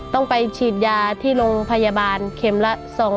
ต้องไปฉีดยาที่โรงพยาบาลเข็มละ๒๐๐